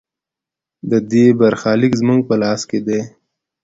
د دې برخلیک زموږ په لاس کې دی